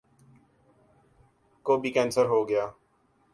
کو بھی کینسر ہو گیا ؟